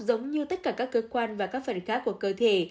giống như tất cả các cơ quan và các phần khác của cơ thể